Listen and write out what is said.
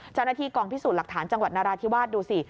เจ้าหน้าที่กองพิสูจน์หลักฐานจังหวัดนราธิวาสดูสิ